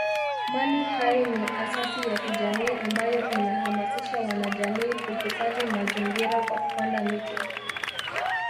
Mali Hai ni asasi ya kijamii ambayo inahamasisha wanajamii kuhifadhi mazingiÅa kwa kupanda miti